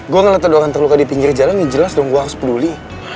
gue ngeliat ada orang terluka di pinggir jalan ya jelas dong gue harus peduli